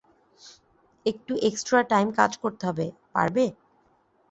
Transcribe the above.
একটু extra time কাজ করতে হবে, পারবে?